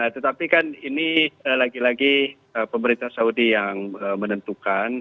tetapi kan ini lagi lagi pemerintah saudi yang menentukan